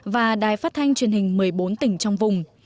và đài phát thanh truyền hình một mươi bốn tỉnh trong vùng